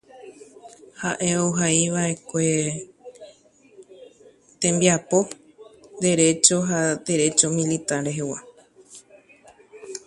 Es autor de varios trabajos de Derecho y de Derecho Militar.